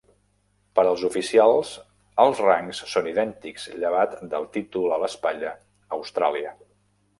Per als oficials els rangs són idèntics llevat del títol a l'espatlla "Austràlia".